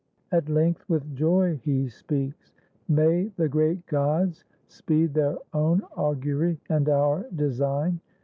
251 ROME At length with joy he speaks: "May the great gods Speed their own augury and our design!